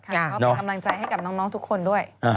ก็เป็นกำลังใจให้กับน้องทุกคนด้วย